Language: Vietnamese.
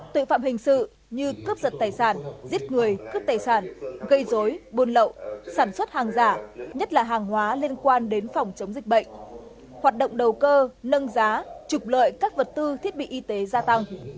tội phạm hình sự như cướp giật tài sản giết người cướp tài sản gây dối buôn lậu sản xuất hàng giả nhất là hàng hóa liên quan đến phòng chống dịch bệnh hoạt động đầu cơ nâng giá trục lợi các vật tư thiết bị y tế gia tăng